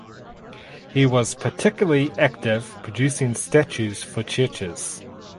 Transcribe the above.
He was particularly active producing statues for churches.